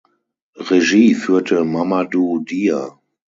Regie führte Mamadou Dia.